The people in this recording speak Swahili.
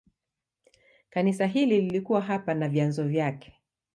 Kanisa hili lilikuwa hapa na vyanzo vyake.